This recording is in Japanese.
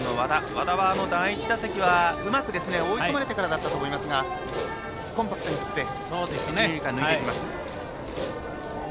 和田は第１打席は、うまく追い込まれてからだったと思いますがコンパクトに振って一、二塁間、抜いてきました。